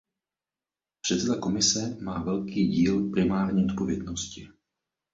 Předseda Komise má velký díl primární odpovědnosti.